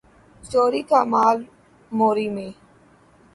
چوری کا مال موری میں